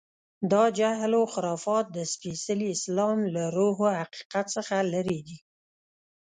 دا جهل و خرافات د سپېڅلي اسلام له روح و حقیقت څخه لرې دي.